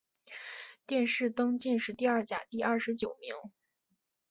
殿试登进士第二甲第二十九名。